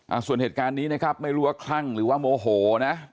ส่วนเหตุการณ์นี้นะครับไม่รู้ว่าคลั่งหรือว่าโมโหนะ